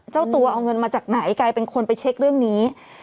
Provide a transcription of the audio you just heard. เจ้าตัวเอาเงินมาจากไหนกลายเป็นคนไปเช็คเรื่องนี้